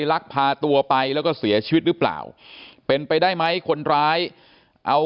ลักพาตัวไปแล้วก็เสียชีวิตหรือเปล่าเป็นไปได้ไหมคนร้ายเอา